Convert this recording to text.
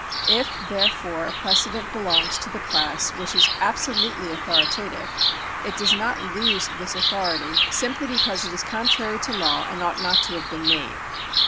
If, there fore, a precedent belongs to the class which is absolutely authoritative, it does not lose this authority simply because it is contrary to law and ought not to have been made.